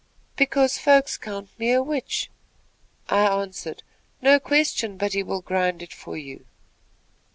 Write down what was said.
"'Because folks count me a witch.' "I answered: "'No question but he will grind for you.'